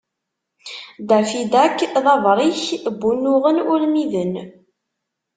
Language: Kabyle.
Daffy Duck d abṛik n wunuɣen urmiden.